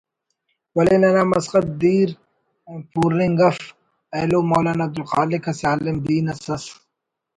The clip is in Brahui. ولے ننا مسخت دیر پورنگ اف ایلو مولانا عبدالخالق اسہ عالم دین اس ئس